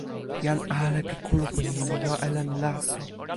jan ale pi kulupu ni li jo e len laso.